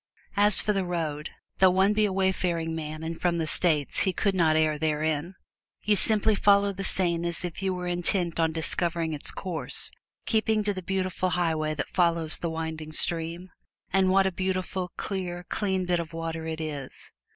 As for the road, though one be a wayfaring man and from the States he could not err therein. You simply follow the Seine as if you were intent on discovering its source, keeping to the beautiful highway that follows the winding stream. And what a beautiful, clear, clean bit of water it is!